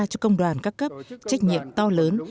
cho công đoàn các cấp trách nhiệm to lớn